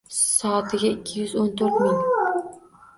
Soatiga ikki yuz o‘n to‘rt mil!